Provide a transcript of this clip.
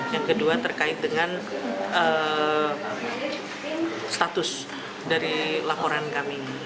yang kedua terkait dengan status dari laporan kami